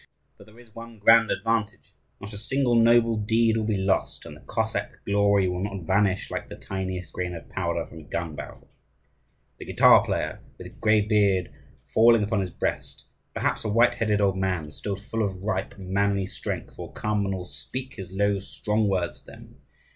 But there is one grand advantage: not a single noble deed will be lost, and the Cossack glory will not vanish like the tiniest grain of powder from a gun barrel. The guitar player with grey beard falling upon his breast, and perhaps a white headed old man still full of ripe, manly strength will come, and will speak his low, strong words of them.